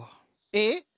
えっ？